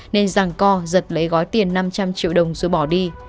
nên rằng co giật lấy gói tiền năm trăm linh triệu đồng rồi bỏ đi